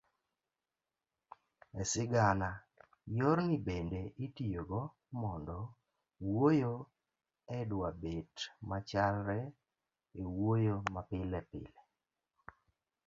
e sigana, yorni bende itiyogo mondo wuoyo odwabet machalre e wuoyo mapilepile